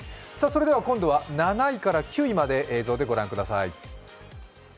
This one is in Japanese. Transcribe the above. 今度は７位から９位まで映像で御覧ください。